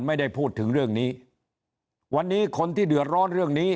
ไม่ได้พูดถึงเรื่องนี้วันนี้คนที่เดือดร้อนเรื่องนี้